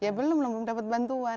ya belum belum dapat bantuan